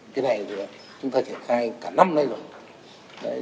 cái này chúng ta trải khai cả năm nay rồi